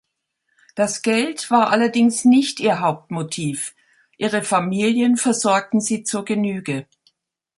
Das Geld war allerdings nicht ihr Hauptmotiv; ihre Familien versorgten sie zur Genüge.